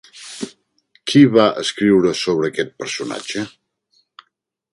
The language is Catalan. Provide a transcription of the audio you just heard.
Qui va escriure sobre aquest personatge?